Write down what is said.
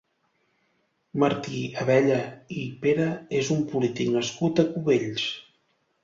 Martí Abella i Pere és un polític nascut a Cubells.